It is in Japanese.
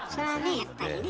やっぱりね。